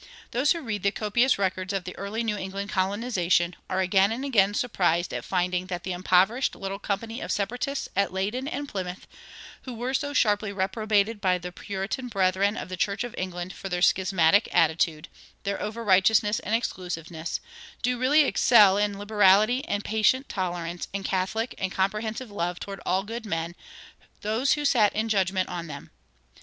Those who read the copious records of the early New England colonization are again and again surprised at finding that the impoverished little company of Separatists at Leyden and Plymouth, who were so sharply reprobated by their Puritan brethren of the Church of England for their schismatic attitude, their over righteousness and exclusiveness, do really excel, in liberality and patient tolerance and catholic and comprehensive love toward all good men, those who sat in judgment on them.